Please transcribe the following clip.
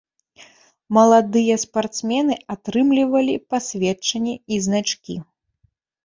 Маладыя спартсмены атрымлівалі пасведчанні і значкі.